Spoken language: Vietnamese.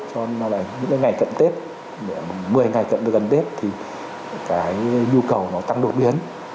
cho nên là những cái ngày cận tết một mươi ngày cận được gần tết thì cái nhu cầu nó tăng đột biến